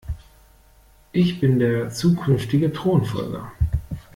Ich bin der zukünftige Thronfolger.